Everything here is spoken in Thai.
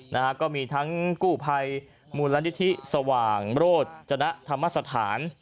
นะฮะก็มีทั้งกู้ภัยมูลนิธิสว่างโรจนธรรมสถาน